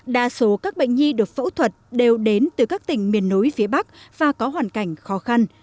đa số các bệnh nhi được phẫu thuật đều đến từ các tỉnh miền núi phía bắc và có hoàn cảnh khó khăn